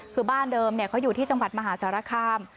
คือบ้านเดิมเขาอยู่ที่จังหวัดมหาสารคาม